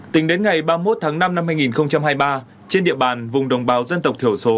tính đến ngày ba mươi một tháng năm năm hai nghìn hai mươi ba trên địa bàn vùng đồng bào dân tộc thiểu số